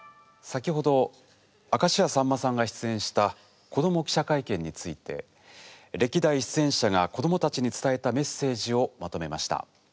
先ほど明石家さんまさんが出演した「子ども記者会見」について歴代出演者が子どもたちに伝えたメッセージをまとめました。